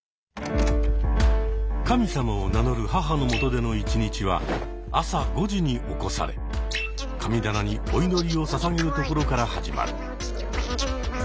神様を名乗る母のもとでの一日は朝５時に起こされ神棚にお祈りをささげるところから始まる。